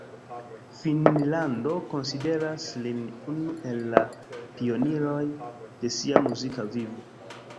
Finnlando konsideras lin unu el la pioniroj de sia muzika vivo.